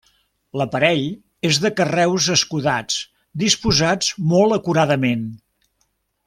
L'aparell és de carreus escodats, disposats molt acuradament.